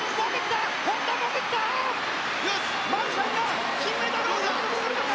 マルシャンが金メダルを獲得するのか。